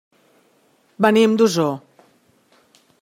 Venim d'Osor.